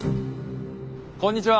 こんにちは。